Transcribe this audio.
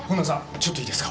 ちょっといいですか？